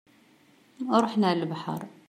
Ruḥen ɣer lebḥer.